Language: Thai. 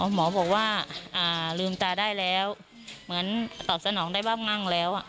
หมอบอกว่าลืมตาได้แล้วเหมือนตอบสนองได้ว่างั่งแล้ว